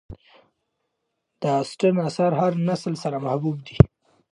د اسټن آثار د هر نسل سره محبوب دي.